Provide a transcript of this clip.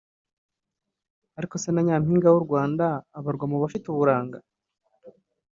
Ariko se na Nyampinga w’u Rwanda abarwa mu bafite uburanga